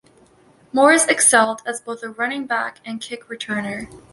Morris excelled as both a running back and kick returner.